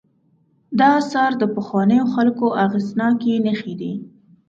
دا آثار د پخوانیو خلکو اغېزناکې نښې دي.